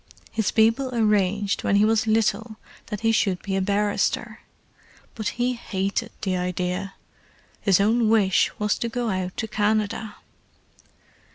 "His people arranged when he was little that he should be a barrister. But he hated the idea. His own wish was to go out to Canada."